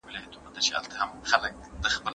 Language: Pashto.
هر انسان په ټولنه کې ځانګړی رول لري.